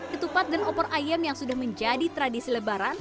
ketupat dan opor ayam yang sudah menjadi tradisi lebaran